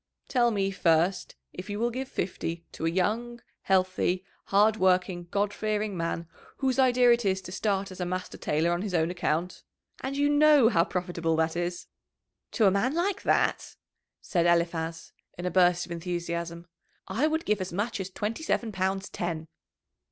"Tell me, first, if you will give fifty to a young, healthy, hard working, God fearing man, whose idea it is to start as a master tailor on his own account? And you know how profitable that is!" "To a man like that," said Eliphaz, in a burst of enthusiasm, "I would give as much as twenty seven pounds ten!"